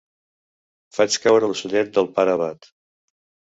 Faig caure l'ocellet del pare abat.